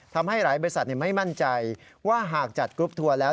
ทำให้หลายบริษัทไม่มั่นใจว่าหากจัดกรุ๊ปทัวร์แล้ว